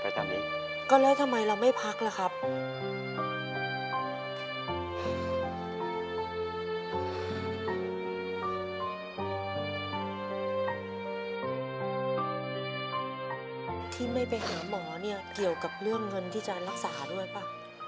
ที่ไม่ไปหาหมอเนี่ยเกี่ยวกับเรื่องเงินที่จะรักษาด้วยป่ะ